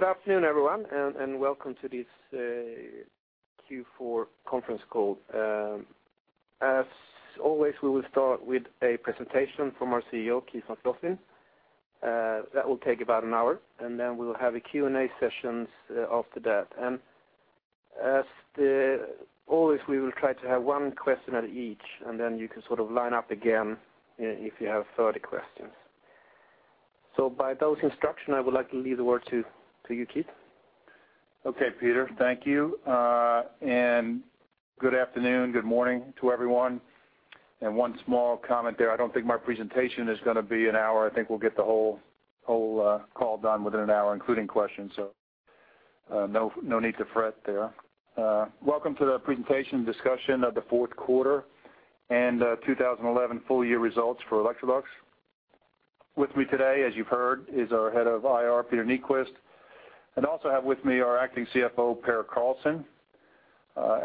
Well, good afternoon, everyone, and welcome to this Q4 conference call. As always, we will start with a presentation from our CEO, Keith McLoughlin. That will take about an hour, and then we will have a Q&A sessions after that. As the always, we will try to have one question at each, and then you can sort of line up again if you have further questions. By those instruction, I would like to leave the word to you, Keith. Okay, Peter, thank you. Good afternoon, good morning to everyone. One small comment there, I don't think my presentation is gonna be an hour. I think we'll get the whole call done within an hour, including questions. No, no need to fret there. Welcome to the presentation discussion of the fourth quarter and 2011 full year results for Electrolux. With me today, as you've heard, is our Head of IR, Peter Nyquist, and also I have with me our Acting CFO, Per Carlsson.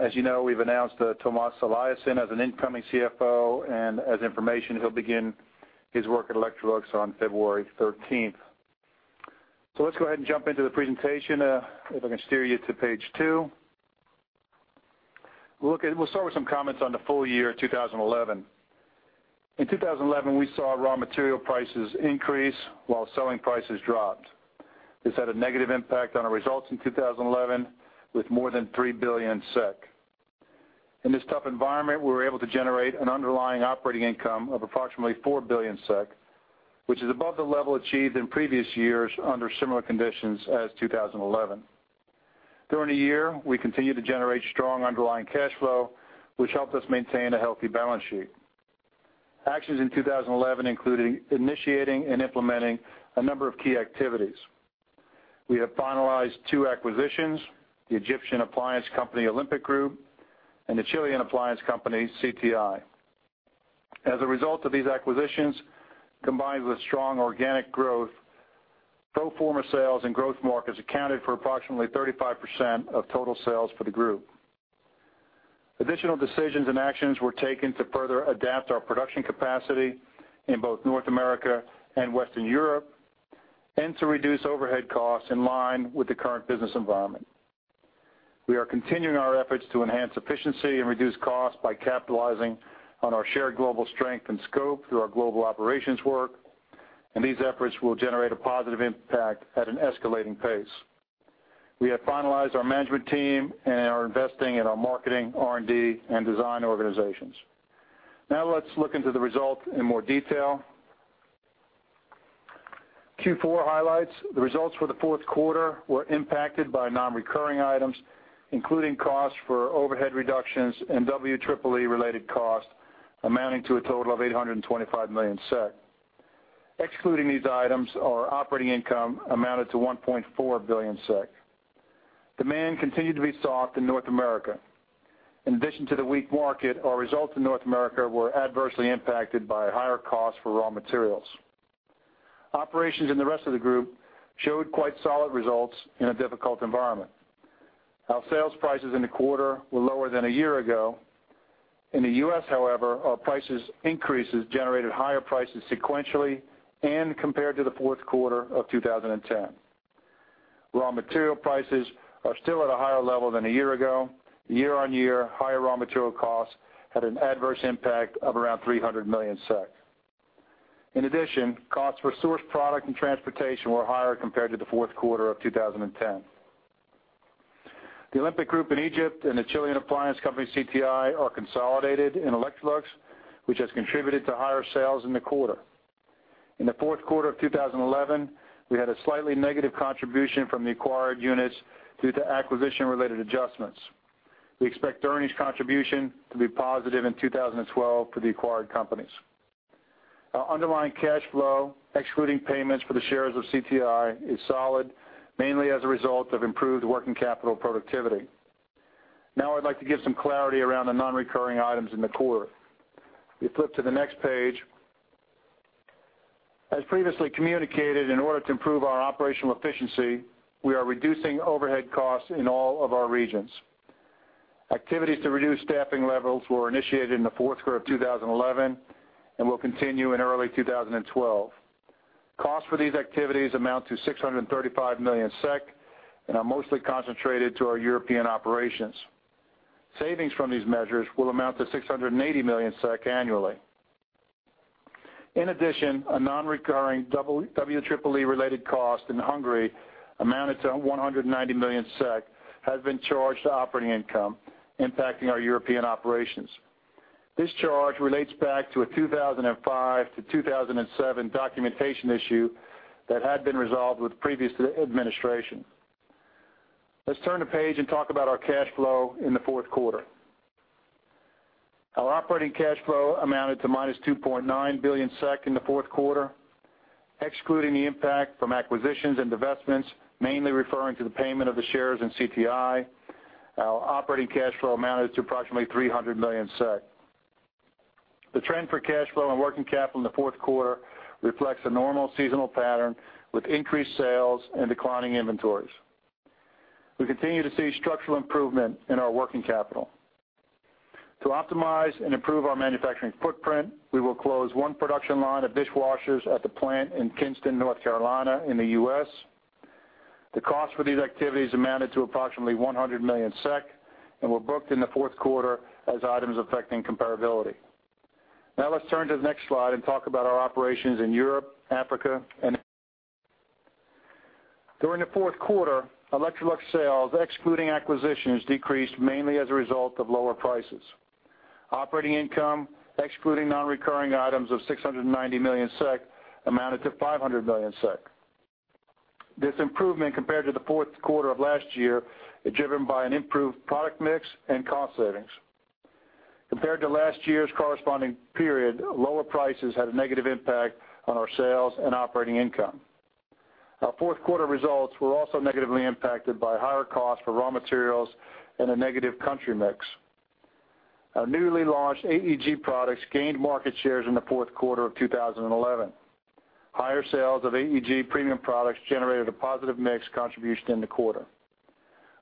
As you know, we've announced Tomas Eliasson as an incoming CFO, and as information, he'll begin his work at Electrolux on February 13th. Let's go ahead and jump into the presentation. If I can steer you to page two. We'll start with some comments on the full year, 2011. In 2011, we saw raw material prices increase while selling prices dropped. This had a negative impact on our results in 2011, with more than 3 billion SEK. In this tough environment, we were able to generate an underlying operating income of approximately 4 billion SEK, which is above the level achieved in previous years under similar conditions as 2011. During the year, we continued to generate strong underlying cash flow, which helped us maintain a healthy balance sheet. Actions in 2011, including initiating and implementing a number of key activities. We have finalized two acquisitions, the Egyptian appliance company, Olympic Group, and the Chilean appliance company, CTI. As a result of these acquisitions, combined with strong organic growth, pro forma sales and growth markets accounted for approximately 35% of total sales for the group. Additional decisions and actions were taken to further adapt our production capacity in both North America and Western Europe, and to reduce overhead costs in line with the current business environment. We are continuing our efforts to enhance efficiency and reduce costs by capitalizing on our shared global strength and scope through our global operations work, and these efforts will generate a positive impact at an escalating pace. We have finalized our management team and are investing in our marketing, R&D, and design organizations. Now, let's look into the result in more detail. Q4 highlights. The results for the fourth quarter were impacted by non-recurring items, including costs for overhead reductions and WEEE related costs, amounting to a total of 825 million SEK. Excluding these items, our operating income amounted to 1.4 billion SEK. Demand continued to be soft in North America. In addition to the weak market, our results in North America were adversely impacted by higher costs for raw materials. Operations in the rest of the group showed quite solid results in a difficult environment. Our sales prices in the quarter were lower than a year ago. In the US, however, our prices increases generated higher prices sequentially and compared to the fourth quarter of 2010. Raw material prices are still at a higher level than a year ago. Year-on-year, higher raw material costs had an adverse impact of around 300 million SEK. In addition, costs for source product and transportation were higher compared to the fourth quarter of 2010. The Olympic Group in Egypt and the Chilean appliance company, CTI, are consolidated in Electrolux, which has contributed to higher sales in the quarter. In the fourth quarter of 2011, we had a slightly negative contribution from the acquired units due to acquisition-related adjustments. We expect earnings contribution to be positive in 2012 for the acquired companies. Our underlying cash flow, excluding payments for the shares of CTI, is solid, mainly as a result of improved working capital productivity. I'd like to give some clarity around the non-recurring items in the quarter. If you flip to the next page. As previously communicated, in order to improve our operational efficiency, we are reducing overhead costs in all of our regions. Activities to reduce staffing levels were initiated in the fourth quarter of 2011 and will continue in early 2012. Costs for these activities amount to 635 million SEK and are mostly concentrated to our European operations. Savings from these measures will amount to 680 million SEK annually. A non-recurring double-WEEE related cost in Hungary, amounted to 190 million SEK, has been charged to operating income, impacting our European operations. This charge relates back to a 2005 to 2007 documentation issue that had been resolved with the previous administration. Let's turn the page and talk about our cash flow in the fourth quarter. Our operating cash flow amounted to minus 2.9 billion SEK in the fourth quarter, excluding the impact from acquisitions and divestments, mainly referring to the payment of the shares in CTI. Our operating cash flow amounted to approximately 300 million SEK. The trend for cash flow and working capital in the fourth quarter reflects a normal seasonal pattern with increased sales and declining inventories. We continue to see structural improvement in our working capital. To optimize and improve our manufacturing footprint, we will close one production line of dishwashers at the plant in Kinston, North Carolina, in the U.S. The cost for these activities amounted to approximately 100 million SEK, and were booked in the fourth quarter as items affecting comparability. Let's turn to the next slide and talk about our operations in Europe, Africa. During the fourth quarter, Electrolux sales, excluding acquisitions, decreased mainly as a result of lower prices. Operating income, excluding non-recurring items of 690 million SEK, amounted to 500 million SEK. This improvement compared to the fourth quarter of last year is driven by an improved product mix and cost savings. Compared to last year's corresponding period, lower prices had a negative impact on our sales and operating income. Our fourth quarter results were also negatively impacted by higher costs for raw materials and a negative country mix. Our newly launched AEG products gained market shares in the fourth quarter of 2011. Higher sales of AEG premium products generated a positive mix contribution in the quarter.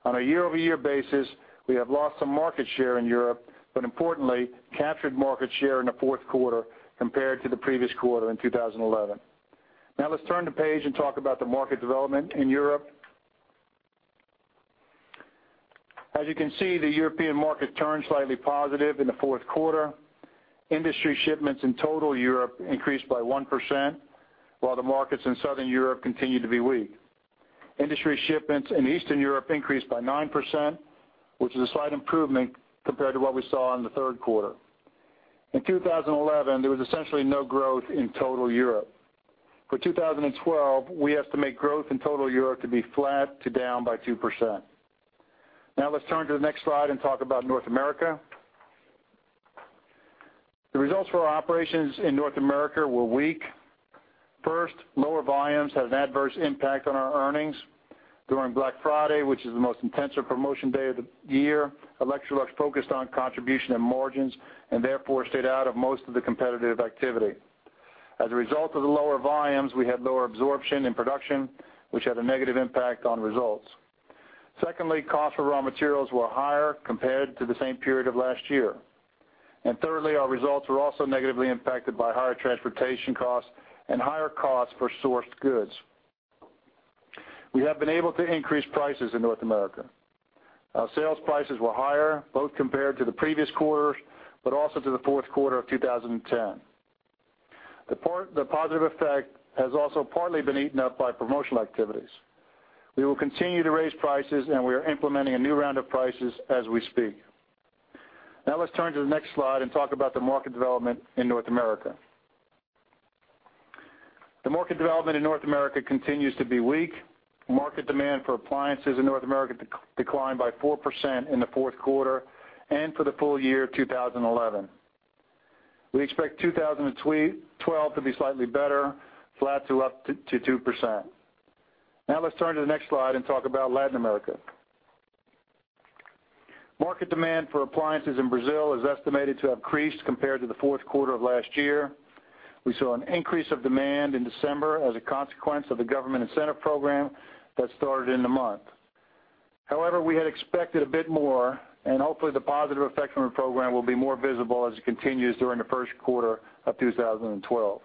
On a year-over-year basis, we have lost some market share in Europe, importantly, captured market share in the fourth quarter compared to the previous quarter in 2011. Let's turn the page and talk about the market development in Europe. You can see, the European market turned slightly positive in the fourth quarter. Industry shipments in total Europe increased by 1%, while the markets in Southern Europe continued to be weak. Industry shipments in Eastern Europe increased by 9%, which is a slight improvement compared to what we saw in the third quarter. In 2011, there was essentially no growth in total Europe. For 2012, we estimate growth in total Europe to be flat to down by 2%. Let's turn to the next slide and talk about North America. The results for our operations in North America were weak. First, lower volumes had an adverse impact on our earnings. During Black Friday, which is the most intensive promotion day of the year, Electrolux focused on contribution and margins and therefore stayed out of most of the competitive activity. As a result of the lower volumes, we had lower absorption in production, which had a negative impact on results. Secondly, cost of raw materials were higher compared to the same period of last year. Thirdly, our results were also negatively impacted by higher transportation costs and higher costs for sourced goods. We have been able to increase prices in North America. Our sales prices were higher, both compared to the previous quarter, but also to the fourth quarter of 2010. The positive effect has also partly been eaten up by promotional activities. We will continue to raise prices. We are implementing a new round of prices as we speak. Let's turn to the next slide and talk about the market development in North America. The market development in North America continues to be weak. Market demand for appliances in North America declined by 4% in the fourth quarter and for the full year of 2011. We expect 2012 to be slightly better, flat to up to 2%. Let's turn to the next slide and talk about Latin America. Market demand for appliances in Brazil is estimated to have increased compared to the fourth quarter of last year. We saw an increase of demand in December as a consequence of the government incentive program that started in the month. We had expected a bit more, and hopefully the positive effect from the program will be more visible as it continues during the first quarter of 2012.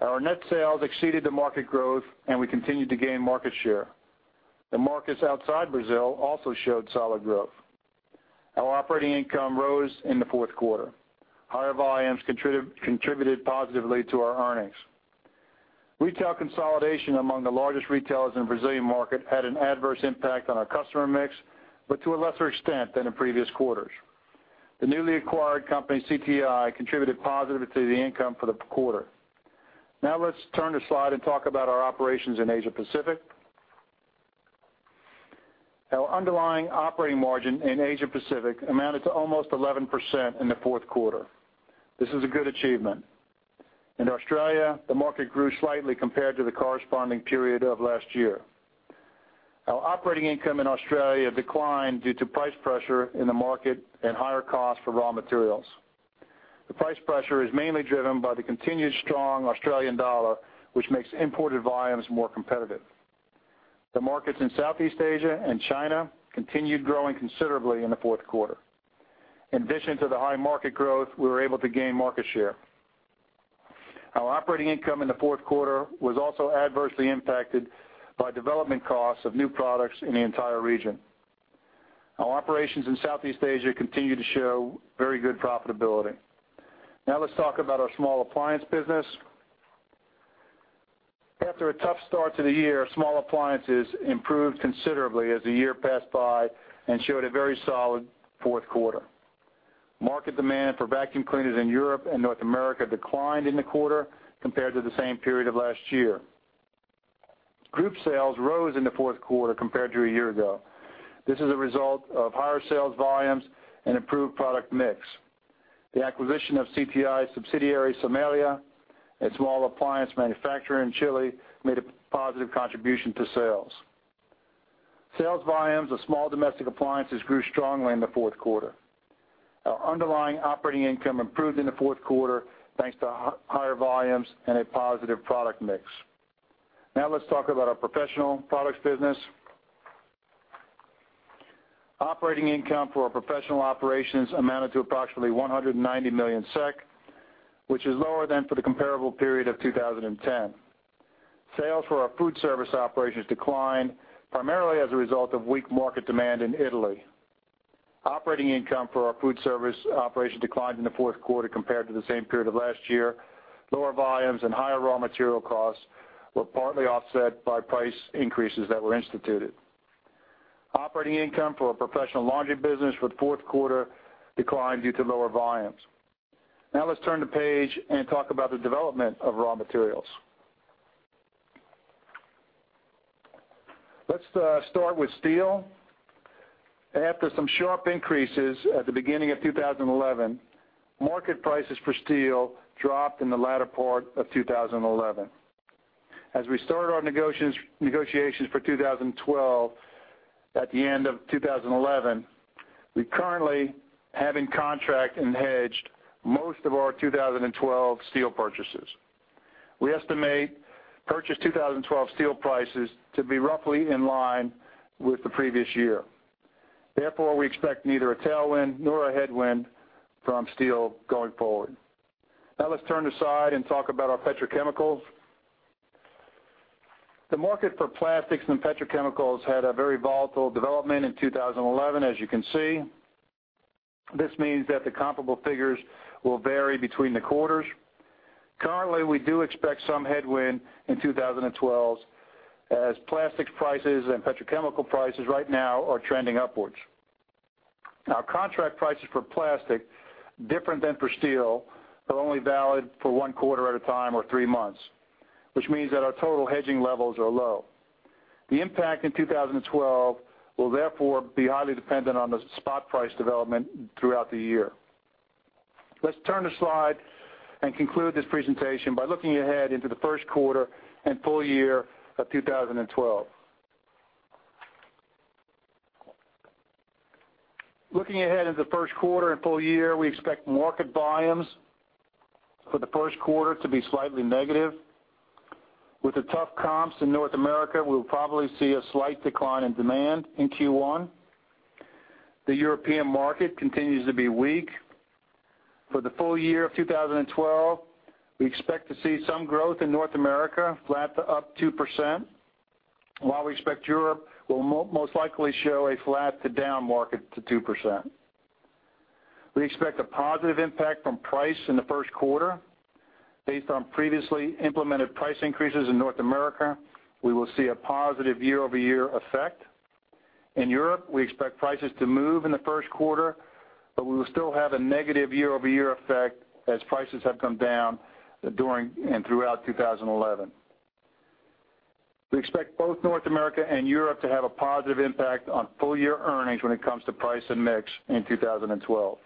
Our net sales exceeded the market growth, and we continued to gain market share. The markets outside Brazil also showed solid growth. Our operating income rose in the fourth quarter. Higher volumes contributed positively to our earnings. Retail consolidation among the largest retailers in Brazilian market had an adverse impact on our customer mix, but to a lesser extent than in previous quarters. The newly acquired company, CTI, contributed positively to the income for the quarter. Let's turn the slide and talk about our operations in Asia Pacific. Our underlying operating margin in Asia Pacific amounted to almost 11% in the fourth quarter. This is a good achievement. In Australia, the market grew slightly compared to the corresponding period of last year. Our operating income in Australia declined due to price pressure in the market and higher costs for raw materials. The price pressure is mainly driven by the continued strong Australian dollar, which makes imported volumes more competitive. The markets in Southeast Asia and China continued growing considerably in the fourth quarter. In addition to the high market growth, we were able to gain market share. Our operating income in the fourth quarter was also adversely impacted by development costs of new products in the entire region. Our operations in Southeast Asia continue to show very good profitability. Now let's talk about our small appliance business. After a tough start to the year, small appliances improved considerably as the year passed by and showed a very solid fourth quarter. Market demand for vacuum cleaners in Europe and North America declined in the quarter compared to the same period of last year. Group sales rose in the fourth quarter compared to a year ago. This is a result of higher sales volumes and improved product mix. The acquisition of CTI's subsidiary, Somela, a small appliance manufacturer in Chile, made a positive contribution to sales. Sales volumes of small domestic appliances grew strongly in the fourth quarter. Our underlying operating income improved in the fourth quarter, thanks to higher volumes and a positive product mix. Let's talk about our professional products business. Operating income for our professional operations amounted to approximately 190 million SEK, which is lower than for the comparable period of 2010. Sales for our food service operations declined, primarily as a result of weak market demand in Italy. Operating income for our food service operation declined in the fourth quarter compared to the same period of last year. Lower volumes and higher raw material costs were partly offset by price increases that were instituted. Operating income for our professional laundry business for the fourth quarter declined due to lower volumes. Let's turn the page and talk about the development of raw materials. Let's start with steel. After some sharp increases at the beginning of 2011, market prices for steel dropped in the latter part of 2011. As we started our negotiations for 2012, at the end of 2011, we currently have in contract and hedged most of our 2012 steel purchases. We estimate purchase 2012 steel prices to be roughly in line with the previous year. Therefore, we expect neither a tailwind nor a headwind from steel going forward. Let's turn the slide and talk about our petrochemicals. The market for plastics and petrochemicals had a very volatile development in 2011, as you can see. This means that the comparable figures will vary between the quarters. Currently, we do expect some headwind in 2012, as plastics prices and petrochemical prices right now are trending upwards. Contract prices for plastic, different than for steel, are only valid for one quarter at a time or three months, which means that our total hedging levels are low. The impact in 2012 will therefore be highly dependent on the spot price development throughout the year. Let's turn the slide and conclude this presentation by looking ahead into the first quarter and full year of 2012. Looking ahead into the first quarter and full year, we expect market volumes for the first quarter to be slightly negative. With the tough comps in North America, we'll probably see a slight decline in demand in Q1. The European market continues to be weak. For the full year of 2012, we expect to see some growth in North America, flat to up 2%, while we expect Europe will most likely show a flat to down market to 2%. We expect a positive impact from price in the first quarter. Based on previously implemented price increases in North America, we will see a positive year-over-year effect. In Europe, we expect prices to move in the first quarter, we will still have a negative year-over-year effect as prices have come down during and throughout 2011. We expect both North America and Europe to have a positive impact on full year earnings when it comes to price and mix in 2012.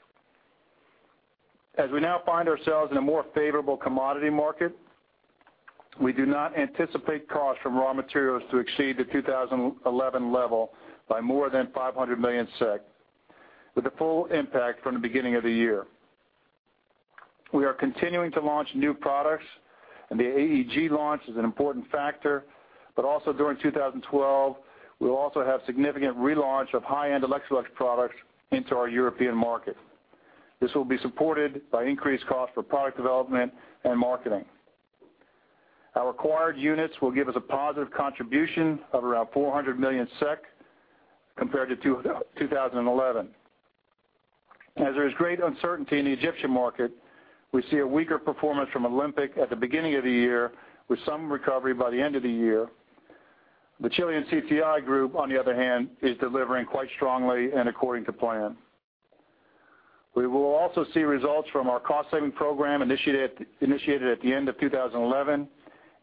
As we now find ourselves in a more favorable commodity market, we do not anticipate costs from raw materials to exceed the 2011 level by more than 500 million SEK, with the full impact from the beginning of the year. We are continuing to launch new products, and the AEG launch is an important factor. Also during 2012, we will also have significant relaunch of high-end Electrolux products into our European market. This will be supported by increased cost for product development and marketing. Our acquired units will give us a positive contribution of around 400 million SEK compared to 2011. As there is great uncertainty in the Egyptian market, we see a weaker performance from Olympic at the beginning of the year, with some recovery by the end of the year. The Chilean CTI group, on the other hand, is delivering quite strongly and according to plan. We will also see results from our cost saving program initiated at the end of 2011,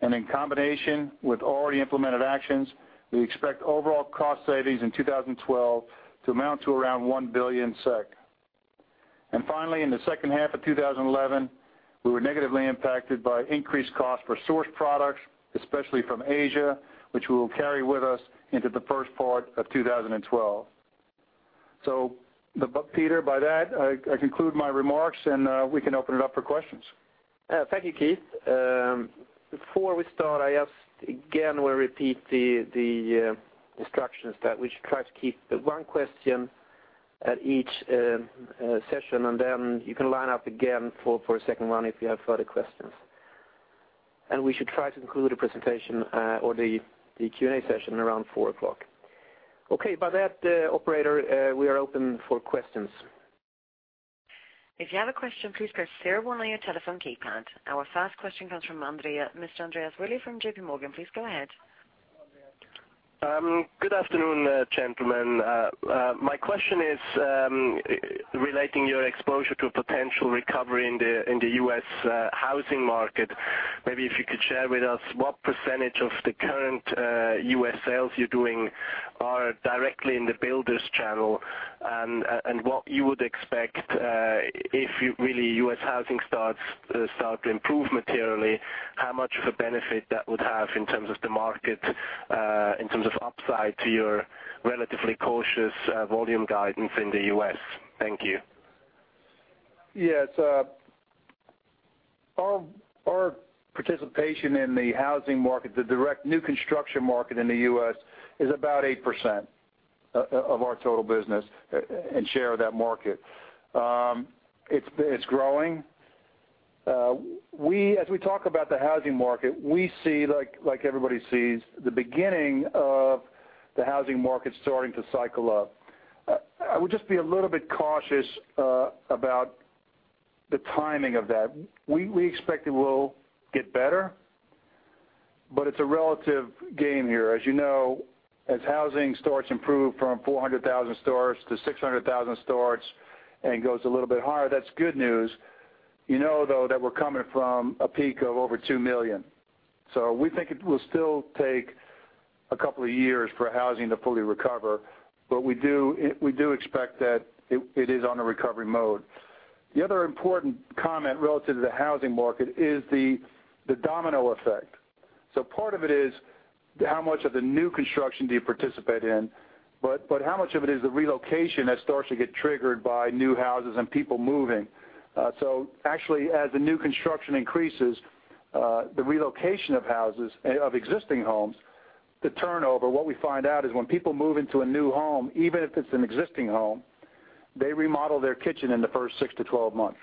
and in combination with already implemented actions, we expect overall cost savings in 2012 to amount to around 1 billion SEK. Finally, in the second half of 2011, we were negatively impacted by increased cost for source products, especially from Asia, which we will carry with us into the first part of 2012. Peter, by that, I conclude my remarks, and we can open it up for questions. Thank you, Keith. Before we start, I ask again, we repeat the instructions that we should try to keep one question at each session, and then you can line up again for a second one if you have further questions. We should try to conclude the presentation or the Q&A session around 4:00. Okay, by that, operator, we are open for questions. If you have a question, please press 01 on your telephone keypad. Our first question comes from Mr. Andreas Willi from JP Morgan. Please go ahead. Good afternoon, gentlemen. My question is, relating your exposure to a potential recovery in the U.S., housing market. Maybe if you could share with us what percentage of the current U.S., sales you're doing are directly in the builders channel, and what you would expect, if you really U.S., housing starts start to improve materially, how much of a benefit that would have in terms of the market, in terms of upside to your relatively cautious volume guidance in the U.S? Thank you. Yes, our participation in the housing market, the direct new construction market in the U.S., is about 8% of our total business and share of that market. It's growing. As we talk about the housing market, we see, like everybody sees, the beginning of the housing market starting to cycle up. I would just be a little bit cautious about the timing of that. We expect it will get better, but it's a relative game here. As you know, as housing starts improve from 400,000 starts to 600,000 starts and goes a little bit higher, that's good news. You know, though, that we're coming from a peak of over 2 million. We think it will still take a couple of years for housing to fully recover, but we do expect that it is on a recovery mode. The other important comment relative to the housing market is the domino effect. Part of it is how much of the new construction do you participate in, but how much of it is the relocation that starts to get triggered by new houses and people moving? Actually, as the new construction increases, the relocation of houses, of existing homes, the turnover, what we find out is when people move into a new home, even if it's an existing home, they remodel their kitchen in the first 6-12 months.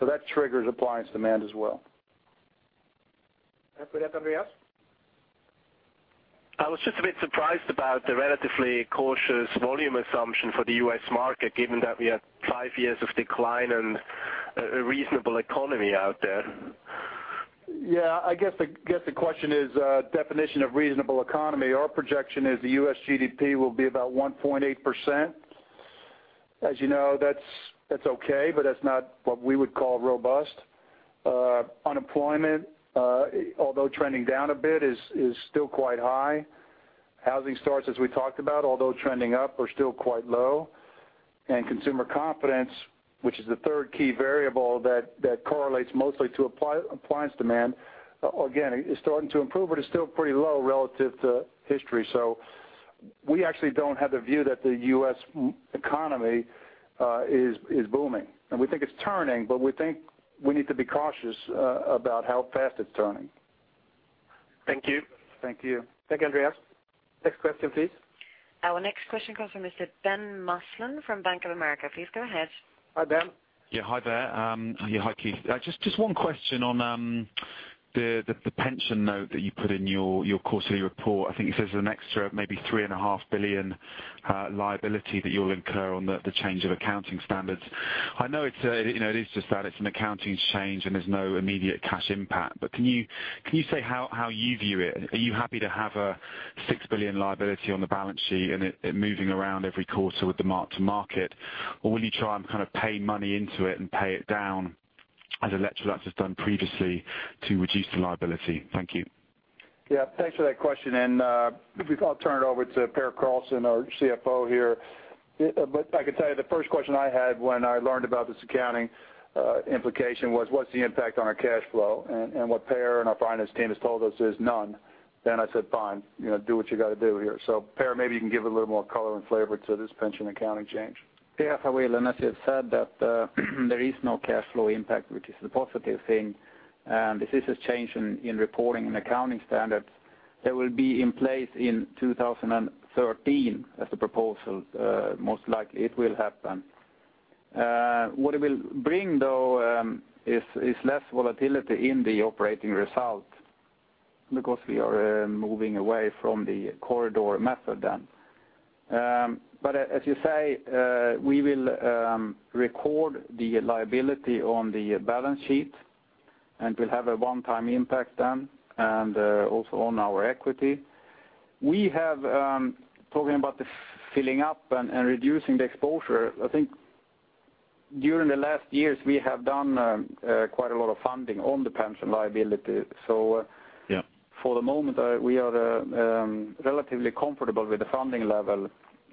That triggers appliance demand as well. We have Andreas? I was just a bit surprised about the relatively cautious volume assumption for the U.S. market, given that we had five years of decline and a reasonable economy out there. Yeah, I guess the question is, definition of reasonable economy. Our projection is the U.S., GDP will be about 1.8%. As you know, that's okay, but that's not what we would call robust. Unemployment, although trending down a bit, is still quite high. Housing starts, as we talked about, although trending up, are still quite low. Consumer confidence, which is the third key variable that correlates mostly to appliance demand, again, is starting to improve, but it's still pretty low relative to history. We actually don't have the view that the U.S., economy is booming. We think it's turning, but we think we need to be cautious about how fast it's turning. Thank you. Thank you. Thank you, Andreas. Next question, please. Our next question comes from Mr. Ben Maslen from Bank of America. Please go ahead. Hi, Ben. Yeah, hi there. Hi, Keith. Just one question on the pension note that you put in your quarterly report. I think it says an extra maybe three and a half billion SEK liability that you'll incur on the change of accounting standards. I know it's, you know, it is just that, it's an accounting change, there's no immediate cash impact. Can you say how you view it? Are you happy to have a six billion SEK liability on the balance sheet and it moving around every quarter with the mark to market? Will you try and kind of pay money into it and pay it down, as Electrolux has done previously, to reduce the liability? Thank you. Yeah, thanks for that question, and maybe I'll turn it over to Per Carlsson, our CFO here. I can tell you, the first question I had when I learned about this accounting implication was, "What's the impact on our cash flow?" What Per and our finance team has told us is none. I said, "Fine, you know, do what you gotta do here." Per, maybe you can give a little more color and flavor to this pension accounting change. Yeah, I will, as you have said, that there is no cash flow impact, which is a positive thing. This is a change in reporting and accounting standards that will be in place in 2013 as the proposal. Most likely it will happen. What it will bring, though, is less volatility in the operating result because we are moving away from the corridor method then. As you say, we will record the liability on the balance sheet, and we'll have a one-time impact then, also on our equity. We have, talking about the filling up and reducing the exposure, I think during the last years, we have done quite a lot of funding on the pension liability. Yeah for the moment, we are relatively comfortable with the funding level.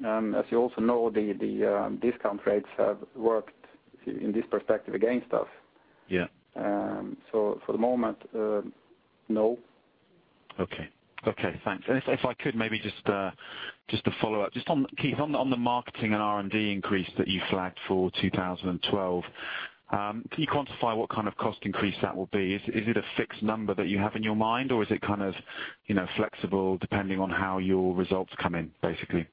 As you also know, the discount rates have worked in this perspective against us. Yeah. For the moment, no. Okay. Okay, thanks. If I could maybe just to follow up on Keith, on the marketing and R&D increase that you flagged for 2012, can you quantify what kind of cost increase that will be? Is it a fixed number that you have in your mind, or is it kind of, you know, flexible, depending on how your results come in, basically?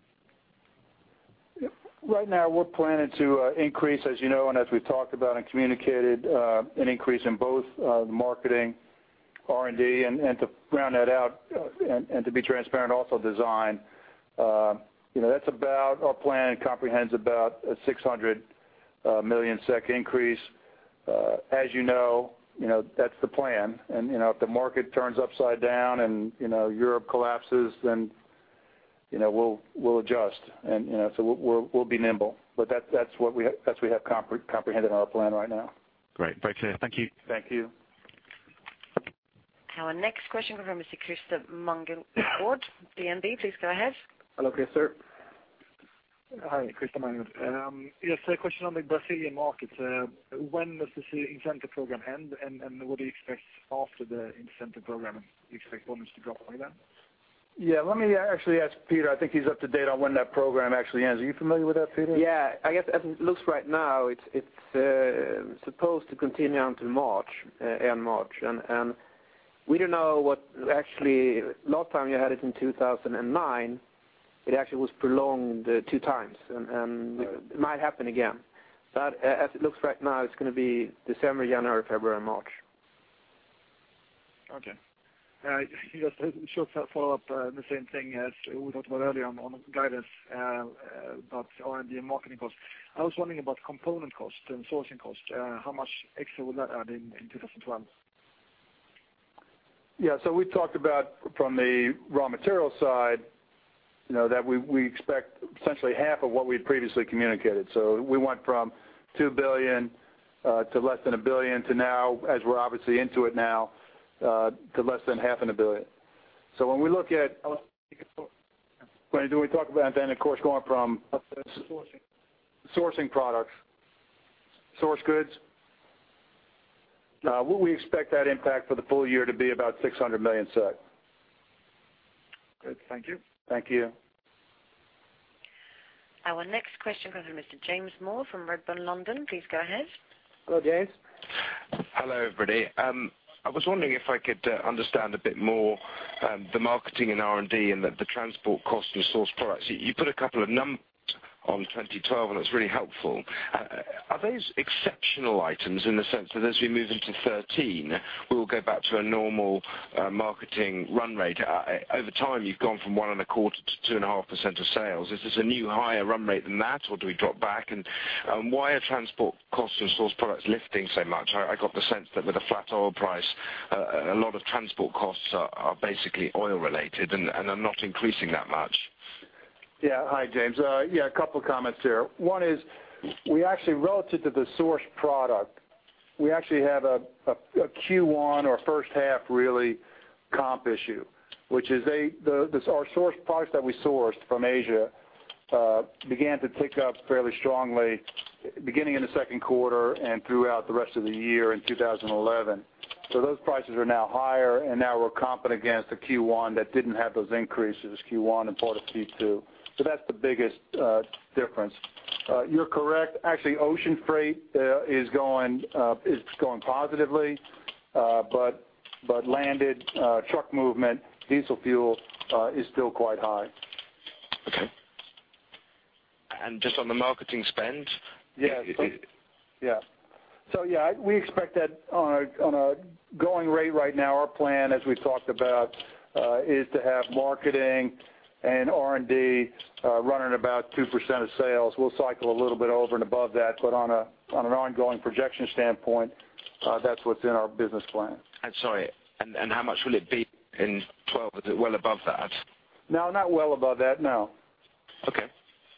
Right now, we're planning to increase, as you know, and as we've talked about and communicated, an increase in both marketing, R&D, and to round that out, and to be transparent, also design. You know, that's about, our plan comprehends about a 600 million SEK increase. As you know, you know, that's the plan, and, you know, if the market turns upside down and, you know, Europe collapses, then, you know, we'll adjust. You know, so we'll be nimble. That's what we have comprehended in our plan right now. Great. Very clear. Thank you. Thank you. Our next question comes from Mr. Christer Magnergård, DNB. Please go ahead. Hello, Christer. Hi, Christer Magnergård. Yes, a question on the Brazilian market. When does the incentive program end, and what do you expect after the incentive program? Do you expect volumes to go away then? Yeah, let me actually ask Peter. I think he's up to date on when that program actually ends. Are you familiar with that, Peter? Yeah, I guess as it looks right now, it's supposed to continue on to March, end March. We don't know what actually, last time you had it in 2009, it actually was prolonged two times, and it might happen again. As it looks right now, it's gonna be December, January, February, and March. Okay. Just a short follow-up on the same thing as we talked about earlier on the guidance about R&D and marketing costs. I was wondering about component costs and sourcing costs. How much extra will that add in 2012? Yeah. We talked about from the raw material side, you know, that we expect essentially half of what we had previously communicated. We went from 2 billion to less than 1 billion, to now, as we're obviously into it now, to less than half a billion SEK. When we talk about then, of course, going from. Sourcing. Sourcing products, sourced goods, we expect that impact for the full year to be about 600 million SEK. Good. Thank you. Thank you. Our next question comes from Mr. James Moore from Redburn London. Please go ahead. Go, James. Hello, everybody. I was wondering if I could understand a bit more the marketing and R&D and the transport cost and source products. You put a couple of numbers on 2012, and it's really helpful. Are those exceptional items in the sense that as we move into 2013, we will go back to a normal marketing run rate? Over time, you've gone from one and a quarter to two and a half % of sales. Is this a new higher run rate than that, or do we drop back? Why are transport costs and source products lifting so much? I got the sense that with a flat oil price, a lot of transport costs are basically oil related and are not increasing that much. Hi, James. Yeah, a couple comments here. One is, we actually, relative to the source product, we actually have a Q1 or first half really comp issue, which is the, our source products that we sourced from Asia, began to tick up fairly strongly beginning in the second quarter and throughout the rest of the year in 2011. Those prices are now higher, and now we're comping against a Q1 that didn't have those increases, Q1 and part of Q2. That's the biggest difference. You're correct. Actually, ocean freight is going positively, but landed truck movement, diesel fuel is still quite high. Okay. Just on the marketing spend? Yeah. Yeah. Yeah, we expect that on a, on a going rate right now, our plan, as we've talked about, is to have marketing and R&D running about 2% of sales. We'll cycle a little bit over and above that, on a, on an ongoing projection standpoint, that's what's in our business plan. Sorry, and how much will it be in 2012? Is it well above that? No, not well above that, no. Okay.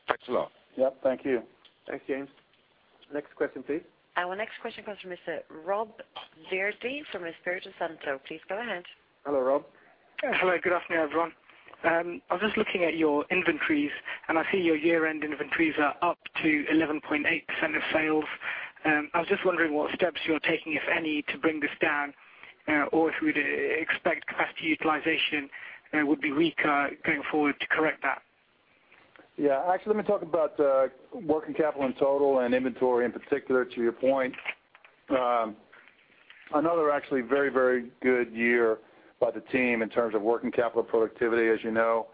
Thanks a lot. Yep. Thank you. Thanks, James. Next question, please. Our next question comes from Mr. Rob Virdee from Espirito Santo. Please go ahead. Hello, Rob. Hello, good afternoon, everyone. I was just looking at your inventories, and I see your year-end inventories are up to 11.8% of sales. I was just wondering what steps you're taking, if any, to bring this down, or if we'd expect capacity utilization would be weaker going forward to correct that? Yeah. Actually, let me talk about working capital in total and inventory in particular, to your point. Another actually very, very good year by the team in terms of working capital productivity, as you know,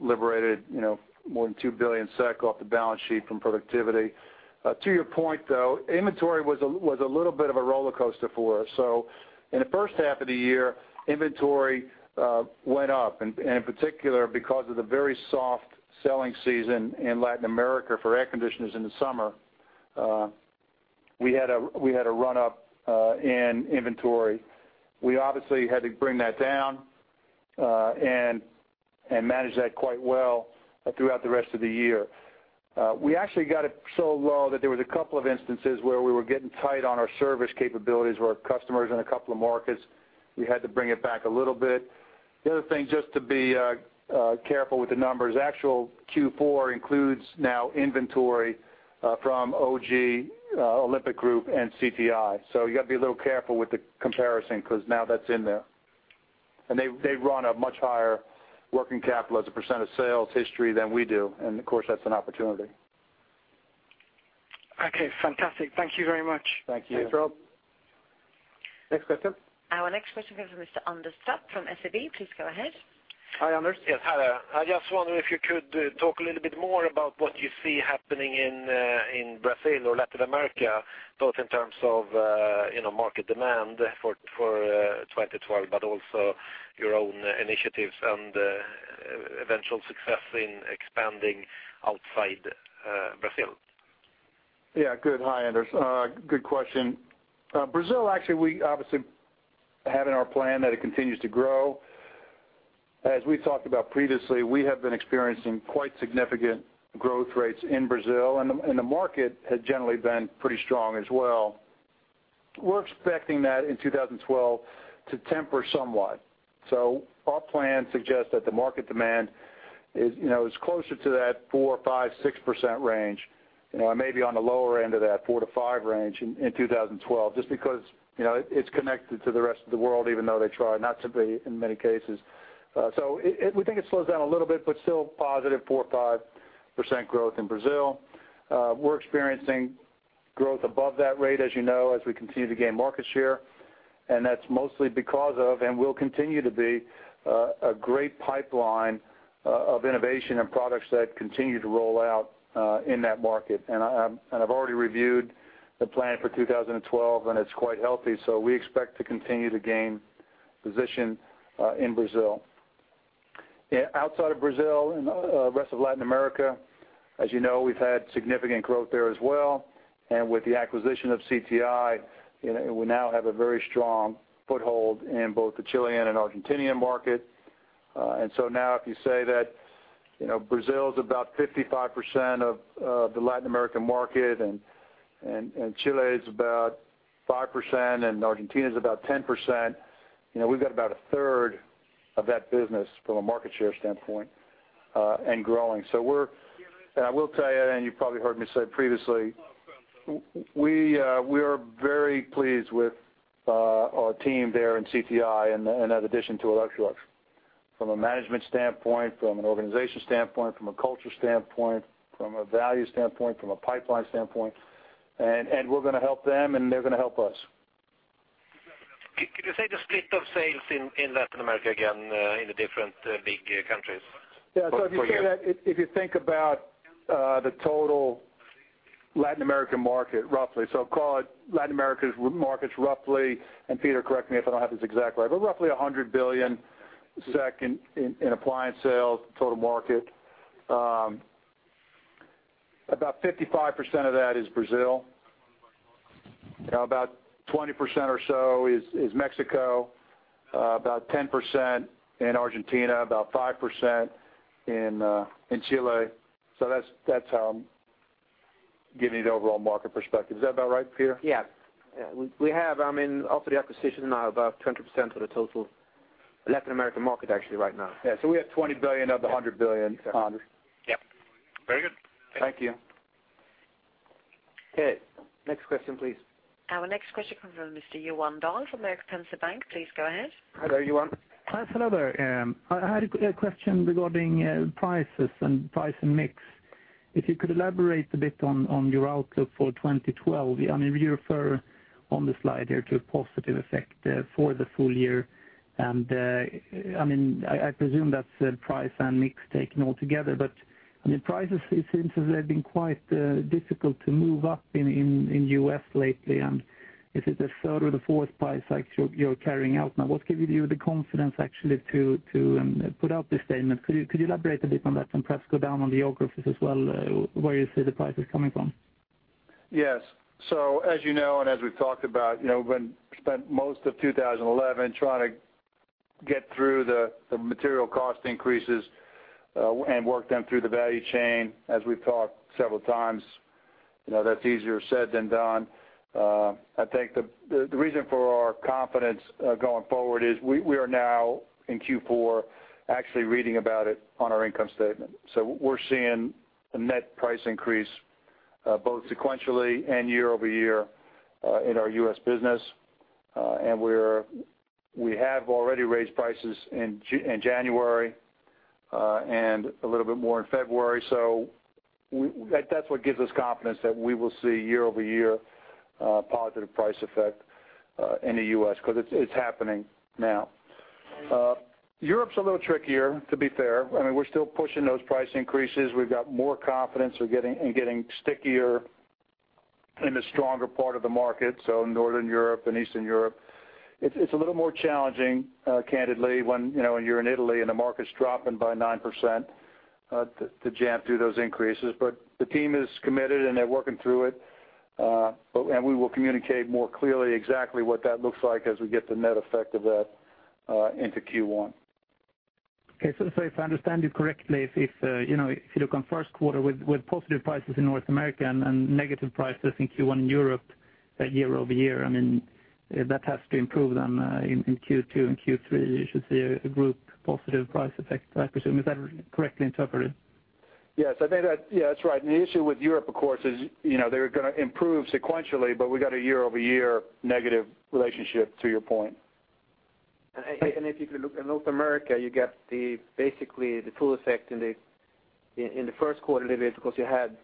liberated, you know, more than 2 billion SEK off the balance sheet from productivity. To your point, though, inventory was a little bit of a rollercoaster for us. In the first half of the year, inventory went up, and in particular, because of the very soft selling season in Latin America for air conditioners in the summer, we had a run up in inventory. We obviously had to bring that down, and manage that quite well throughout the rest of the year. We actually got it so low that there was a couple of instances where we were getting tight on our service capabilities with our customers in a couple of markets. We had to bring it back a little bit. The other thing, just to be careful with the numbers, actual Q4 includes now inventory from OG, Olympic Group and CTI. You got to be a little careful with the comparison because now that's in there. They've run a much higher working capital as a % of sales history than we do, and of course, that's an opportunity. Okay, fantastic. Thank you very much. Thank you. Thanks, Rob. Next question? Our next question comes from Mr. Anders Trapp from SEB. Please go ahead. Hi, Anders. Yes, hi there. I just wonder if you could talk a little bit more about what you see happening in Brazil or Latin America, both in terms of, you know, market demand for 2012, but also your own initiatives and eventual success in expanding outside Brazil? Yeah, good. Hi, Anders. Good question. Brazil, actually, we obviously have in our plan that it continues to grow. As we talked about previously, we have been experiencing quite significant growth rates in Brazil, and the market has generally been pretty strong as well. We're expecting that in 2012 to temper somewhat. Our plan suggests that the market demand is, you know, is closer to that 4%-6% range, you know, and maybe on the lower end of that 4%-5% range in 2012, just because, you know, it's connected to the rest of the world, even though they try not to be in many cases. We think it slows down a little bit, but still positive 4%-5% growth in Brazil. We're experiencing growth above that rate, as you know, as we continue to gain market share. That's mostly because of, and will continue to be, a great pipeline of innovation and products that continue to roll out in that market. I've already reviewed the plan for 2012, and it's quite healthy, so we expect to continue to gain position in Brazil. Outside of Brazil and rest of Latin America, as you know, we've had significant growth there as well. With the acquisition of CTI, you know, we now have a very strong foothold in both the Chilean and Argentinian market. Now if you say that, you know, Brazil is about 55% of the Latin American market, and Chile is about 5%, and Argentina is about 10%, you know, we've got about 1/3 of that business from a market share standpoint, and growing. We're. I will tell you, and you probably heard me say previously, we are very pleased with our team there in CTI and an addition to Electrolux from a management standpoint, from an organization standpoint, from a culture standpoint, from a value standpoint, from a pipeline standpoint, and we're gonna help them, and they're gonna help us. Could you say the split of sales in Latin America again, in the different, big, countries? If you say that, if you think about the total Latin American market, roughly, call it Latin America's markets, roughly, and Peter, correct me if I don't have this exactly right, but roughly 100 billion SEK in appliance sales, total market. About 55% of that is Brazil. About 20% or so is Mexico, about 10% in Argentina, about 5% in Chile. That's how I'm giving you the overall market perspective. Is that about right, Peter? Yes. Yeah, we have, I mean, after the acquisition, now about 20% of the total Latin American market, actually, right now. Yeah, we have 20 billion of the 100 billion, Anders. Yep. Very good. Thank you. Okay, next question, please. Our next question comes from Mr. Johan Dahl from Danske Bank. Please go ahead. Hello, Johan. Hi, hello there. I had a question regarding prices and price and mix. If you could elaborate a bit on your outlook for 2012. I mean, you refer on the slide here to a positive effect for the full year. I mean, I presume that's price and mix taken altogether, but, I mean, prices, it seems as they've been quite difficult to move up in U.S. lately, and is it the third or the fourth price cycle you're carrying out now? What's giving you the confidence actually to put out this statement? Could you elaborate a bit on that and perhaps go down on the geographies as well, where you see the prices coming from? Yes. As you know, and as we've talked about, you know, we've spent most of 2011 trying to get through the material cost increases and work them through the value chain. As we've talked several times, you know, that's easier said than done. I think the reason for our confidence going forward is we are now in Q4, actually reading about it on our income statement. We're seeing a net price increase both sequentially and year-over-year in our U.S. business. We have already raised prices in January and a little bit more in February. That's what gives us confidence that we will see year-over-year positive price effect in the U.S., because it's happening now. Europe's a little trickier, to be fair. I mean, we're still pushing those price increases. We've got more confidence. We're getting stickier in the stronger part of the market, so Northern Europe and Eastern Europe. It's a little more challenging, candidly, when, you know, when you're in Italy and the market's dropping by 9%, to jam through those increases. The team is committed, and they're working through it. We will communicate more clearly exactly what that looks like as we get the net effect of that into Q1. If I understand you correctly, if, you know, if you look on Q1 with positive prices in North America and negative prices in Q1 in Europe, year-over-year, I mean, that has to improve then in Q2 and Q3, you should see a group positive price effect, I presume. Is that correctly interpreted? Yes, I think Yeah, that's right. The issue with Europe, of course, is, you know, they're gonna improve sequentially, but we've got a year-over-year negative relationship to your point. If you could look in North America, you get basically the full effect in the first quarter a little bit because you had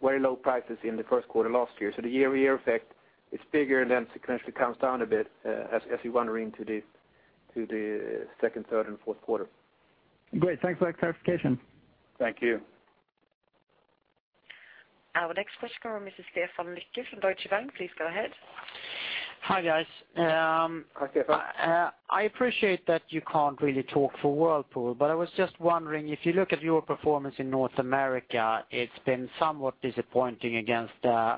very low prices in the first quarter last year. The year-over-year effect is bigger than sequentially comes down a bit as you wander into the second, third, and fourth quarter. Great. Thanks for that clarification. Thank you. Our next question comes from Mr. Stefan Lycke from Deutsche Bank. Please go ahead. Hi, guys. Hi, Stefan. I appreciate that you can't really talk for Whirlpool, but I was just wondering, if you look at your performance in North America, it's been somewhat disappointing against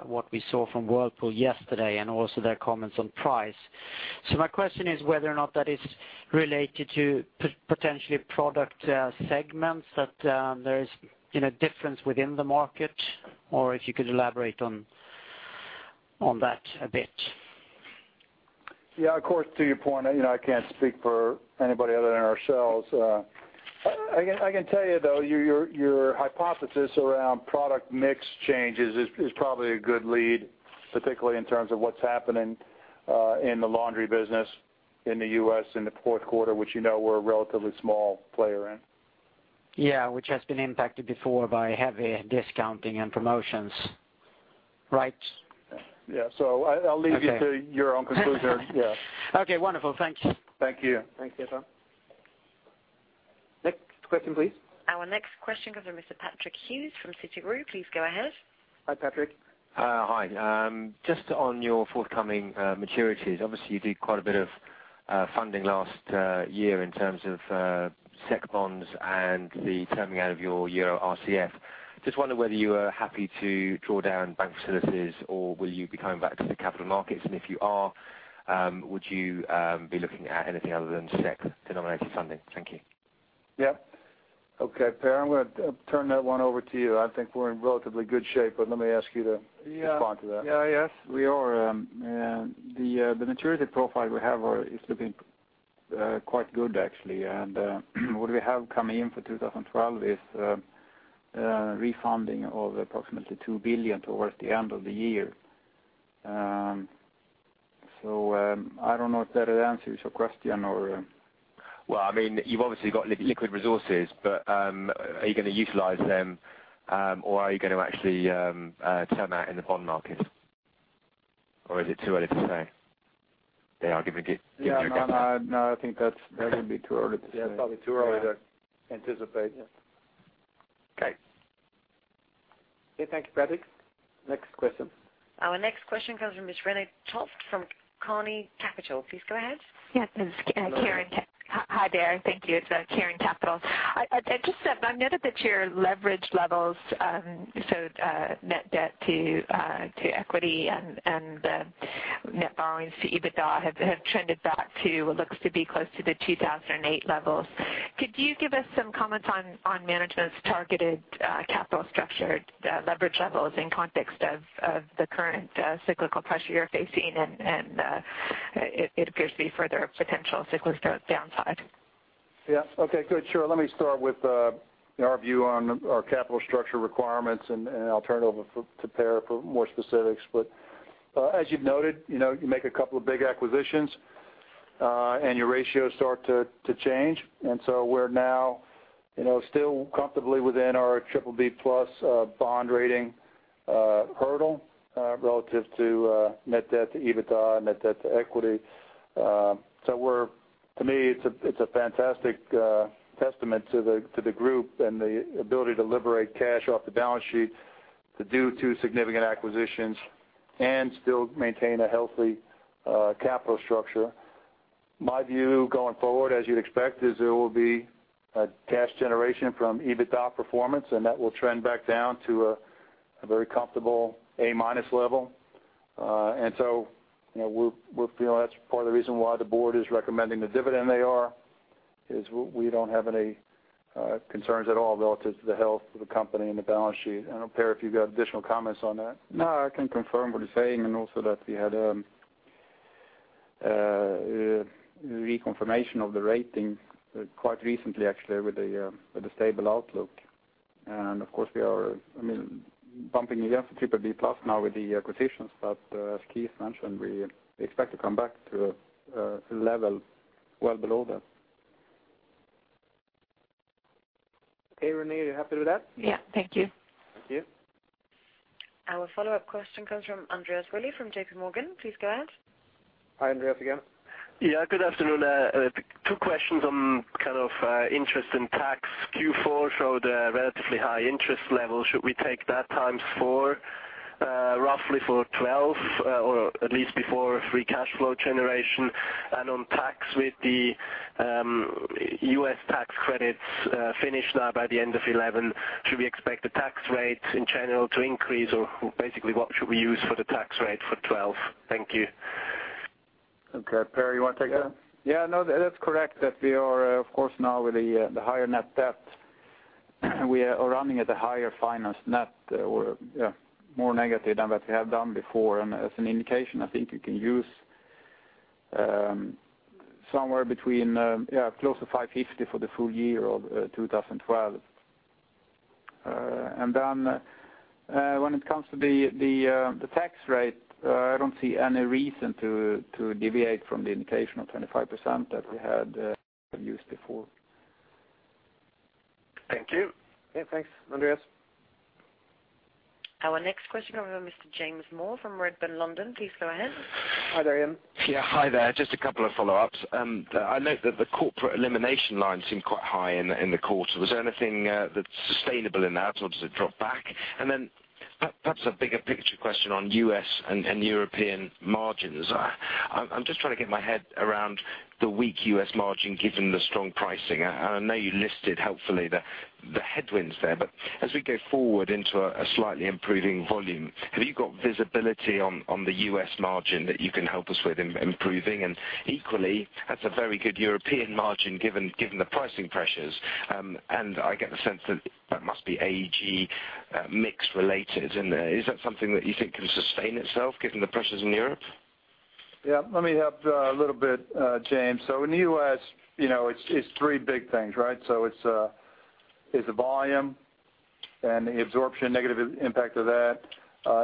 what we saw from Whirlpool yesterday and also their comments on price. My question is whether or not that is related to potentially product segments, that there is, you know, difference within the market, or if you could elaborate on that a bit? Yeah, of course, to your point, I, you know, I can't speak for anybody other than ourselves. I can tell you, though, your hypothesis around product mix changes is probably a good lead, particularly in terms of what's happening in the laundry business in the U.S. in the fourth quarter, which you know we're a relatively small player in. Yeah, which has been impacted before by heavy discounting and promotions, right? Yeah. I'll leave you- Okay. to your own conclusion. Yeah. Okay, wonderful. Thank you. Thank you. Thank you, Tom. Next question, please. Our next question comes from Mr. Patrick Hughes from Citigroup. Please go ahead. Hi, Patrick. Hi. Just on your forthcoming maturities, obviously, you did quite a bit of funding last year in terms of SEK bonds and the terming out of your EUR RCF. Just wonder whether you are happy to draw down bank facilities, or will you be coming back to the capital markets? If you are, would you be looking at anything other than SEK-denominated funding? Thank you. Yep. Okay, Per, I'm gonna turn that one over to you. I think we're in relatively good shape, but let me ask you. Yeah respond to that. Yeah, yes, we are. The maturity profile we have is looking quite good, actually. What we have coming in for 2012 is refunding of approximately 2 billion towards the end of the year. I don't know if that answers your question or. I mean, you've obviously got liquid resources. Are you gonna utilize them, or are you gonna actually, term out in the bond market? Or is it too early to say? No, no, I think that would be too early to say. Yeah, probably too early to anticipate, yeah. Okay. Okay, thank you, Patrick. Next question. Our next question comes from Ms. Karen from Karen Capital. Please go ahead. Yes, this is Karen Te- Hello. Hi there. Thank you. It's Karen Capital. I just I've noted that your leverage levels, so net debt to equity and net borrowings to EBITDA have trended back to what looks to be close to the 2008 levels. Could you give us some comments on management's targeted capital structure, leverage levels in context of the current cyclical pressure you're facing? It appears to be further potential cyclical downside. Yeah. Okay, good. Sure. Let me start with our view on our capital structure requirements, and I'll turn it over to Per for more specifics. As you've noted, you know, you make 2 big acquisitions, and your ratios start to change. We're now, you know, still comfortably within our BBB+ bond rating hurdle relative to net debt to EBITDA and net debt to equity. To me, it's a fantastic testament to the group and the ability to liberate cash off the balance sheet to do 2 significant acquisitions and still maintain a healthy capital structure. My view, going forward, as you'd expect, is there will be a cash generation from EBITDA performance, and that will trend back down to a very comfortable A-minus level. You know, we're feeling that's part of the reason why the board is recommending the dividend they are, is we don't have any concerns at all relative to the health of the company and the balance sheet. I don't know, Per, if you've got additional comments on that. No, I can confirm what he's saying, and also that we had reconfirmation of the rating quite recently, actually, with a stable outlook. Of course, we are, I mean, bumping against the BBB+ now with the acquisitions, but as Keith mentioned, we expect to come back to a level well below that. Okay, Renee, you happy with that? Yeah. Thank you. Thank you. Our follow-up question comes from Andreas Willi from JP Morgan. Please go ahead. Hi, Andreas, again. Yeah, good afternoon. 2 questions on kind of interest and tax. Q4 showed a relatively high interest level. Should we take that times 4, roughly for 2012, or at least before free cash flow generation? On tax, with the U.S. tax credits finished now by the end of 2011, should we expect the tax rate in general to increase, or basically, what should we use for the tax rate for 2012? Thank you. Okay, Per, you want to take that? Yeah, no, that's correct, that we are, of course, now with the higher net debt, we are running at a higher finance net. We're, yeah, more negative than what we have done before. As an indication, I think you can use, yeah, close to 550 for the full year of 2012. When it comes to the tax rate, I don't see any reason to deviate from the indication of 25% that we had used before. Thank you. Okay, thanks, Andreas. Our next question comes from Mr. James Moore from Redburn London. Please go ahead. Hi there, Ian. Yeah, hi there. Just a couple of follow-ups. I note that the corporate elimination line seemed quite high in the quarter. Was there anything that's sustainable in that, or does it drop back? Perhaps a bigger picture question on U.S., and European margins. I'm just trying to get my head around the weak U.S., margin, given the strong pricing. I know you listed helpfully the headwinds there, but as we go forward into a slightly improving volume, have you got visibility on the U.S., margin that you can help us with improving? Equally, that's a very good European margin, given the pricing pressures. I get the sense that that must be AEG mix related. Is that something that you think can sustain itself, given the pressures in Europe? ... Yeah, let me help a little bit, James. In the U.S., you know, it's 3 big things, right? It's the volume and the absorption, negative impact of that.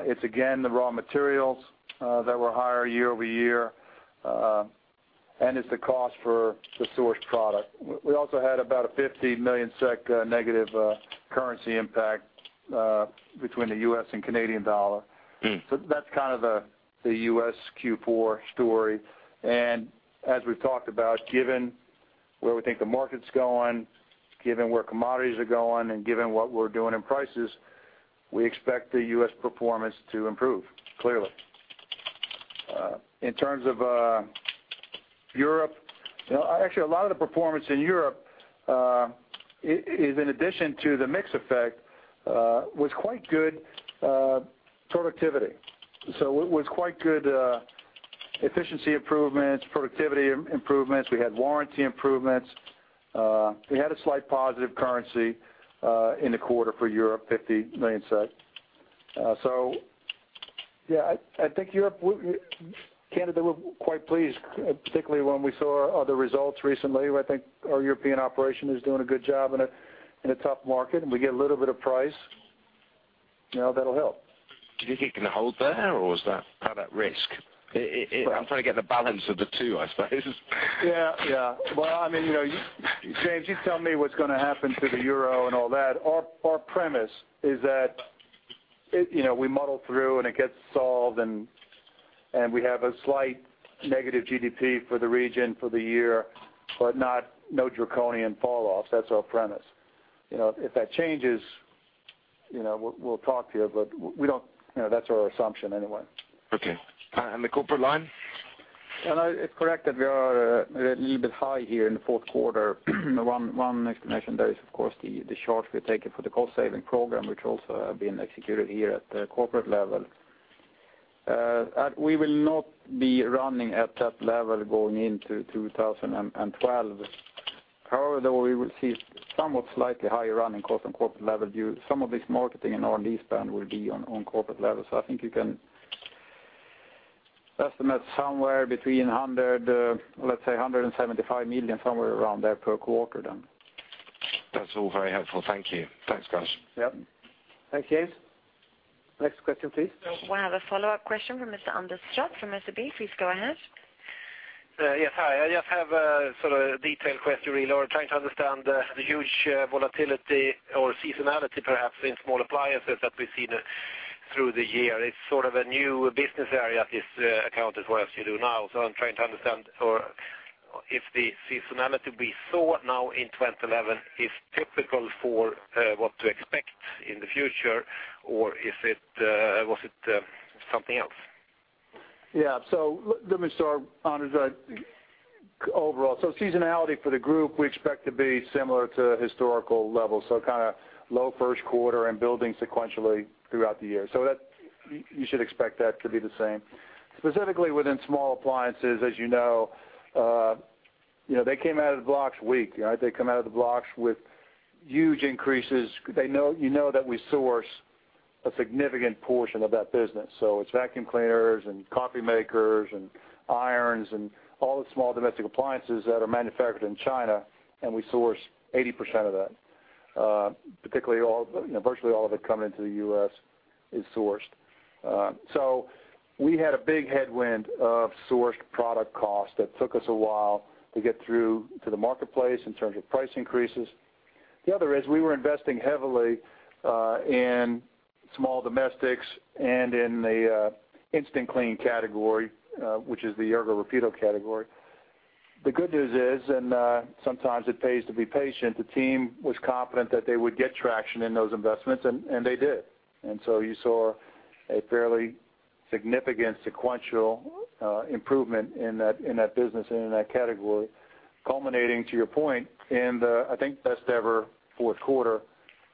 It's again, the raw materials that were higher year-over-year. It's the cost for the sourced product. We also had about a 50 million SEK negative currency impact between the U.S., and Canadian dollar. Mm. That's kind of the U.S., Q4 story. As we've talked about, given where we think the market's going, given where commodities are going, and given what we're doing in prices, we expect the U.S., performance to improve, clearly. In terms of Europe, you know, actually, a lot of the performance in Europe is in addition to the mix effect, it was quite good, efficiency improvements, productivity improvements. We had warranty improvements. We had a slight positive currency in the quarter for Europe, 50 million SEK. I think Europe, Canada, we're quite pleased, particularly when we saw other results recently, where I think our European operation is doing a good job in a tough market, and we get a little bit of price. You know, that'll help. Do you think it can hold there, or is that at risk? I'm trying to get the balance of the two, I suppose. Yeah, yeah. Well, I mean, you know, James, you tell me what's gonna happen to the Euro and all that. Our premise is that it, you know, we muddle through, and it gets solved, and we have a slight negative GDP for the region for the year, but not no draconian falloff. That's our premise. You know, if that changes, you know, we'll talk to you, but we don't ... You know, that's our assumption anyway. Okay. The corporate line? It's correct that we are a little bit high here in the fourth quarter. One explanation there is, of course, the charge we've taken for the cost-saving program, which also have been executed here at the corporate level. We will not be running at that level going into 2012. However, though, we will see somewhat slightly higher running cost on corporate level, due some of this marketing and our lease spend will be on corporate level. I think you can estimate somewhere between 100 million, let's say, 175 million, somewhere around there per quarter then. That's all very helpful. Thank you. Thanks, guys. Yep. Thanks, James. Next question, please. We have a follow-up question from Mr. Anders Trapp from SEB. Please go ahead. Yes. Hi. I just have sort of a detailed question really, or trying to understand the huge volatility or seasonality, perhaps, in small appliances that we've seen through the year. It's sort of a new business area, this account, as well as you do now. I'm trying to understand or if the seasonality we saw now in 2011 is typical for what to expect in the future, or is it, was it something else? Yeah. Let me start, Anders, overall. Seasonality for the group, we expect to be similar to historical levels, so kind of low first quarter and building sequentially throughout the year. You should expect that to be the same. Specifically within small appliances, as you know, you know, they came out of the blocks weak, right? They come out of the blocks with huge increases. You know that we source a significant portion of that business. It's vacuum cleaners and coffee makers and irons and all the small domestic appliances that are manufactured in China, and we source 80% of that. Particularly all, you know, virtually all of it coming into the U.S. is sourced. We had a big headwind of sourced product cost that took us a while to get through to the marketplace in terms of price increases. The other is, we were investing heavily in small domestics and in the instant-clean category, which is the Ergorapido category. The good news is, and sometimes it pays to be patient, the team was confident that they would get traction in those investments, and they did. You saw a fairly significant sequential improvement in that business and in that category, culminating, to your point, in the, I think, best ever fourth quarter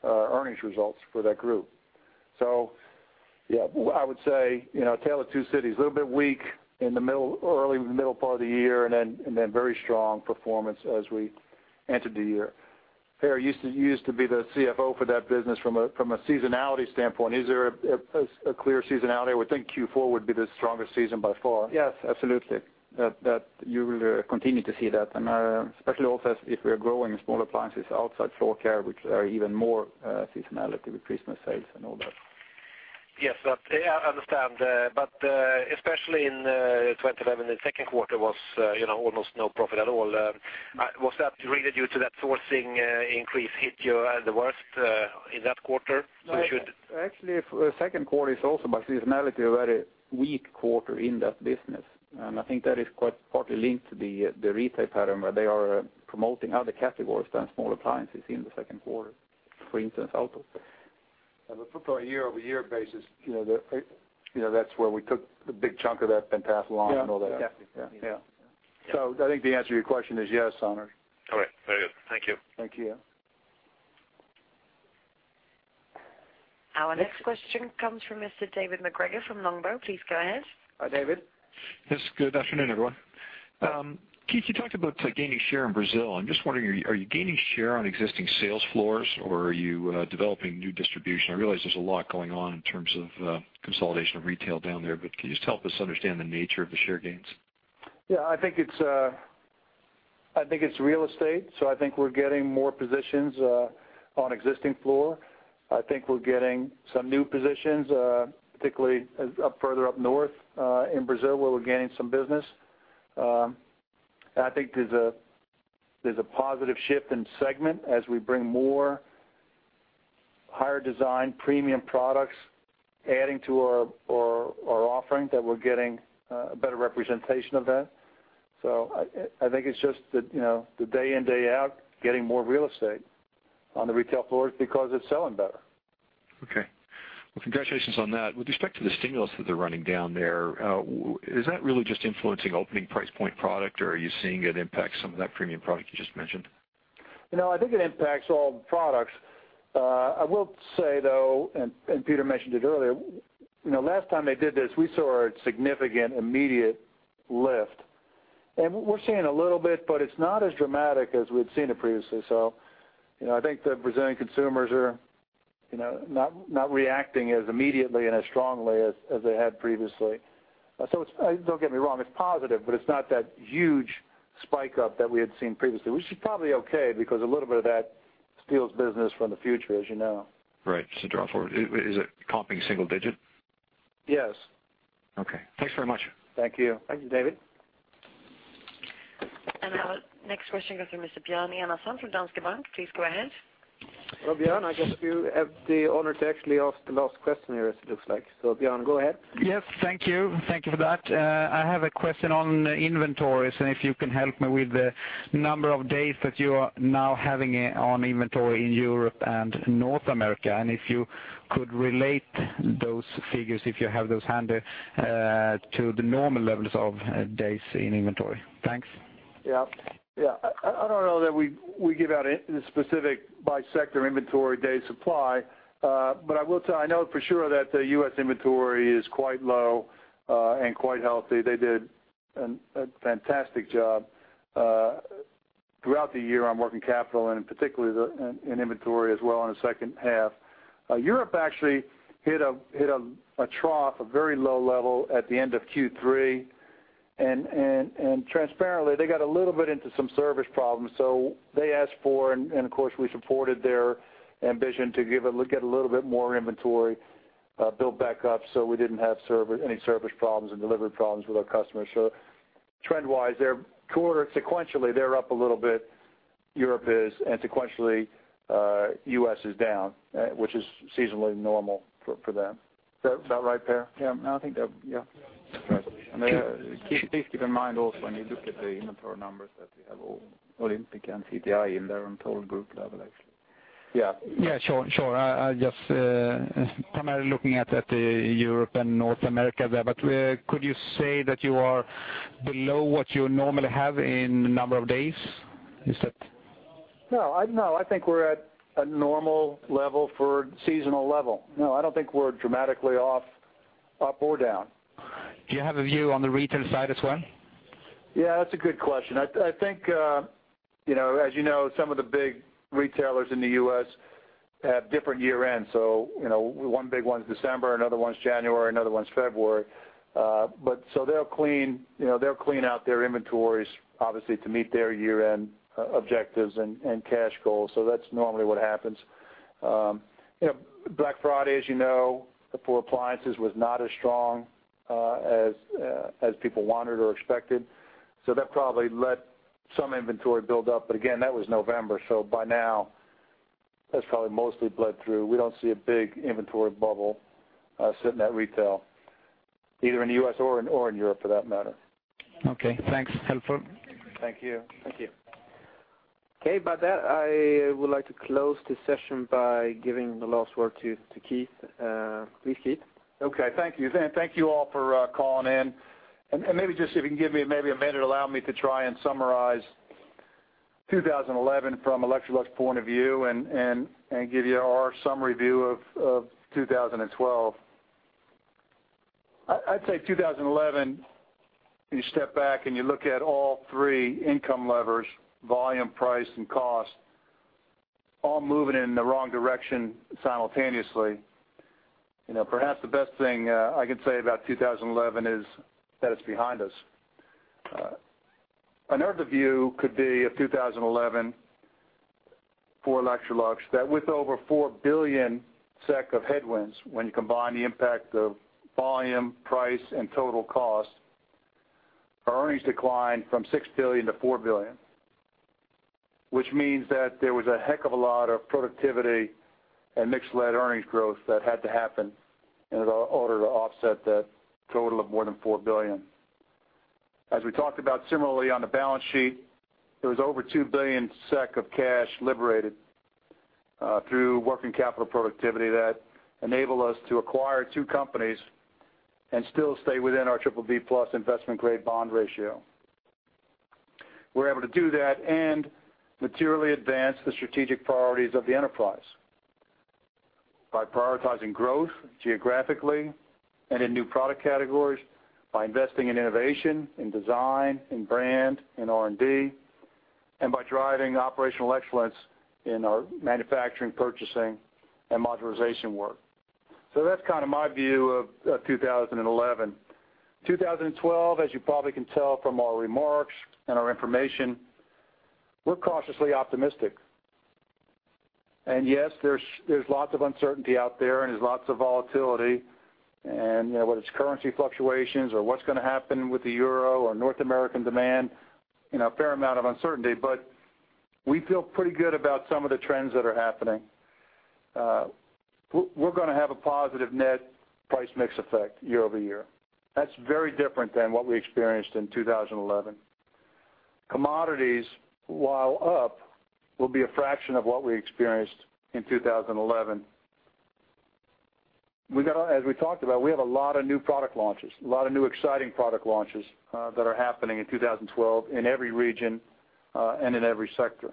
earnings results for that group. Yeah, I would say, you know, Tale of Two Cities, a little bit weak in the middle, early middle part of the year, and then very strong performance as we entered the year. Per, you used to be the CFO for that business. From a seasonality standpoint, is there a clear seasonality? I would think Q4 would be the strongest season by far. Yes, absolutely. That you will continue to see that, and especially also if we are growing small appliances outside floor care, which are even more seasonality with Christmas sales and all that. Yes, I understand, especially in 2011, the second quarter was, you know, almost no profit at all. Was that really due to that sourcing, increase hit you at the worst, in that quarter? Actually, the second quarter is also, by seasonality, a very weak quarter in that business. I think that is quite partly linked to the retail pattern, where they are promoting other categories than small appliances in the second quarter, for instance, outdoor. If we put on a year-over-year basis, you know, the, you know, that's where we took the big chunk of that pent-up along and all that. Yeah. Definitely. Yeah. I think the answer to your question is yes, Anders. All right. Very good. Thank you. Thank you. Our next question comes from Mr. David MacGregor from Longbow. Please go ahead. Hi, David. Yes, good afternoon, everyone. Keith, you talked about gaining share in Brazil. I'm just wondering, are you gaining share on existing sales floors, or are you developing new distribution? I realize there's a lot going on in terms of consolidation of retail down there, but can you just help us understand the nature of the share gains? Yeah, I think it's, I think it's real estate, so I think we're getting more positions on existing floor. I think we're getting some new positions, particularly further up north in Brazil, where we're gaining some business. I think there's a positive shift in segment as we bring more higher design premium products, adding to our offering, that we're getting a better representation of that. I think it's just that, you know, the day in, day out, getting more real estate on the retail floors because it's selling better. Okay. Well, congratulations on that. With respect to the stimulus that they're running down there, is that really just influencing opening price point product, or are you seeing it impact some of that premium product you just mentioned? You know, I think it impacts all the products. I will say, though, Peter mentioned it earlier, you know, last time they did this, we saw a significant immediate lift. We're seeing a little bit, but it's not as dramatic as we'd seen it previously. You know, I think the Brazilian consumers are, you know, not reacting as immediately and as strongly as they had previously. Don't get me wrong, it's positive, but it's not that huge spike up that we had seen previously, which is probably okay, because a little bit of that steals business from the future, as you know. Right, just to draw forward. Is it comping single digit? Yes. Okay. Thanks very much. Thank you. Thank you, David. Our next question goes to Mr. Björn Enarson from Danske Bank. Please go ahead. Well, Björn, I guess you have the honor to actually ask the last question here, as it looks like. Björn, go ahead. Yes, thank you. Thank you for that. I have a question on inventories, and if you can help me with the number of days that you are now having on inventory in Europe and North America, and if you could relate those figures, if you have those handy, to the normal levels of days in inventory. Thanks. Yeah. Yeah. I don't know that we give out specific by sector inventory day supply. I will tell, I know for sure that the U.S. inventory is quite low and quite healthy. They did a fantastic job throughout the year on working capital, and particularly in inventory as well, in the second half. Europe actually hit a trough, a very low level at the end of Q3. Transparently, they got a little bit into some service problems, so they asked for, and of course, we supported their ambition to get a little bit more inventory built back up, so we didn't have any service problems and delivery problems with our customers. Trend wise, they're quarter sequentially, they're up a little bit, Europe is, and sequentially, U.S., is down, which is seasonally normal for them. Is that about right, Per? Yeah. No, I think that. Yeah, that's right. Please keep in mind also, when you look at the inventory numbers, that we have all Olympic and CTI in there on total group level, actually. Yeah. Yeah, sure. I just, primarily looking at the Europe and North America there, where could you say that you are below what you normally have in number of days? Is that? No, I think we're at a normal level for seasonal level. No, I don't think we're dramatically off, up or down. Do you have a view on the retail side as well? Yeah, that's a good question. I think, you know, as you know, some of the big retailers in the U.S., have different year ends, so, you know, one big one's December, another one's January, another one's February. So they'll clean, you know, they'll clean out their inventories, obviously, to meet their year-end objectives and cash goals. That's normally what happens. You know, Black Friday, as you know, for appliances, was not as strong as people wanted or expected, so that probably let some inventory build up. Again, that was November, so by now, that's probably mostly bled through. We don't see a big inventory bubble, sitting at retail, either in the U.S., or in Europe, for that matter. Okay, thanks. Helpful. Thank you. Thank you. Okay, by that, I would like to close this session by giving the last word to Keith. Please, Keith. Okay. Thank you. Thank you all for calling in. Maybe just if you can give me maybe a minute, allow me to try and summarize 2011 from Electrolux point of view and give you our summary view of 2012. I'd say 2011, you step back and you look at all three income levers: volume, price, and cost, all moving in the wrong direction simultaneously. You know, perhaps the best thing I can say about 2011 is that it's behind us. Another view could be of 2011, for Electrolux, that with over 4 billion SEK of headwinds, when you combine the impact of volume, price, and total cost, our earnings declined from 6 billion to 4 billion, which means that there was a heck of a lot of productivity and mixed-led earnings growth that had to happen in order to offset that total of more than 4 billion. As we talked about similarly on the balance sheet, there was over 2 billion SEK of cash liberated through working capital productivity that enabled us to acquire two companies and still stay within our BBB+ investment-grade bond ratio. We're able to do that and materially advance the strategic priorities of the enterprise. by prioritizing growth geographically and in new product categories, by investing in innovation, in design, in brand, in R&D, and by driving operational excellence in our manufacturing, purchasing, and modularization work. That's kind of my view of 2011. 2012, as you probably can tell from our remarks and our information, we're cautiously optimistic. Yes, there's lots of uncertainty out there, and there's lots of volatility. You know, whether it's currency fluctuations or what's gonna happen with the Euro or North American demand, you know, a fair amount of uncertainty, but we feel pretty good about some of the trends that are happening. We're gonna have a positive net price mix effect year-over-year. That's very different than what we experienced in 2011. Commodities, while up, will be a fraction of what we experienced in 2011. As we talked about, we have a lot of new product launches, a lot of new exciting product launches that are happening in 2012 in every region and in every sector.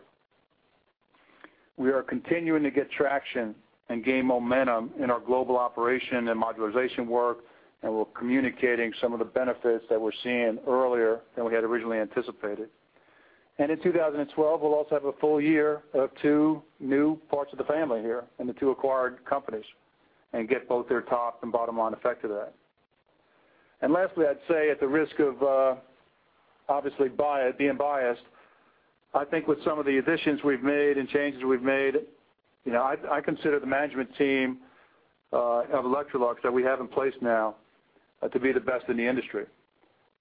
We are continuing to get traction and gain momentum in our global operation and modularization work, and we're communicating some of the benefits that we're seeing earlier than we had originally anticipated. In 2012, we'll also have a full year of two new parts of the family here, and the two acquired companies, and get both their top and bottom line effect to that. Lastly, I'd say at the risk of, obviously being biased, I think with some of the additions we've made and changes we've made, you know, I consider the management team of Electrolux that we have in place now, to be the best in the industry.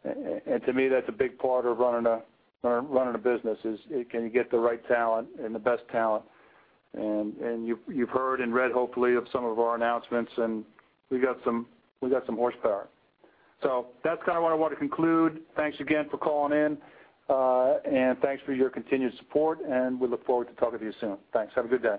To me, that's a big part of running a, running a business, is, can you get the right talent and the best talent? You've, you've heard and read, hopefully, of some of our announcements, and we've got some horsepower. That's kind of what I want to conclude. Thanks again for calling in. Thanks for your continued support, and we look forward to talking to you soon. Thanks. Have a good day.